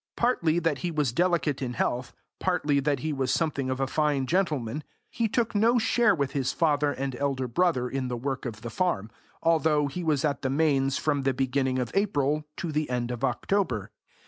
Partly that he was delicate in health, partly that he was something of a fine gentleman, he took no share with his father and elder brother in the work of the farm, although he was at the Mains from the beginning of April to the end of October.